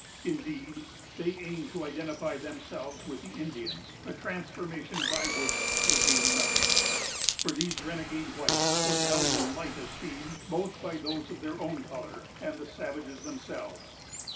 Indeed, they aimed to identify themselves with the Indians, a transformation by which they gained nothing; for these renegade whites were held in light esteem, both by those of their own color and the savages themselves.